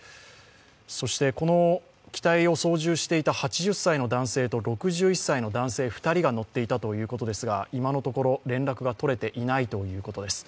そしてこの機体を操縦していた８０歳の男性と、６１歳の男性２人が乗っていたということですが、今のところ連絡が取れていないということです。